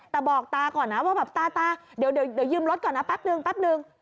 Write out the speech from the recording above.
แต่บอกตาก่อนนะว่าแบบตาตาเดี๋ยวยืมรถก่อนนะแป๊บนึงแป๊บนึง